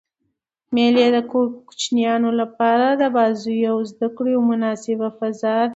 مېلې د کوچنيانو له پاره د بازيو او زدکړي یوه مناسبه فضا ده.